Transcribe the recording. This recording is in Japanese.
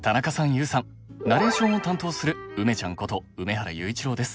ＹＯＵさんナレーションを担当する梅ちゃんこと梅原裕一郎です。